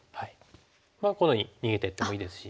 このように逃げていってもいいですし。